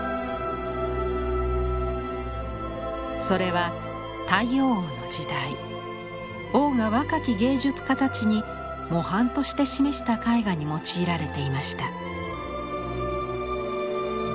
それは太陽王の時代王が若き芸術家たちに模範として示した絵画に用いられていました。